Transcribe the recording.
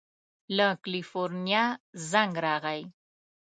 له کلیفورنیا زنګ راغی.